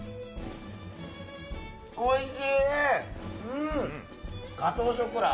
おいしい！